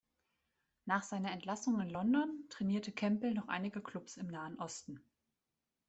Nach seiner Entlassung in London trainierte Campbell noch einige Klubs im Nahen Osten.